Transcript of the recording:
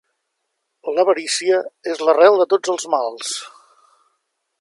L'avarícia és l'arrel de tots els mals.